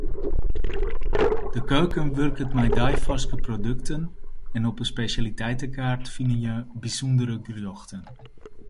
De keuken wurket mei deifarske produkten en op 'e spesjaliteitekaart fine jo bysûndere gerjochten.